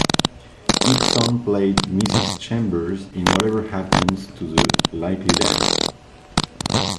Hickson played Mrs Chambers in Whatever Happened to the Likely Lads?